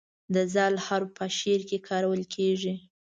د "ذ" حرف په شعر کې کارول کیږي.